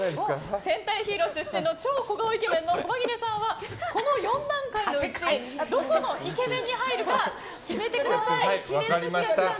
戦隊ヒーロー出身の超小顔イケメンの駒木根さんはこの４段階のうちどこのイケメンに入るか分かりました。